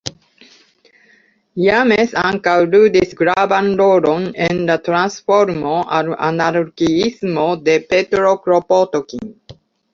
James ankaŭ ludis gravan rolon en la transformo al anarkiismo de Petro Kropotkin.